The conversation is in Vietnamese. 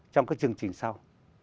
trong các chương trình sau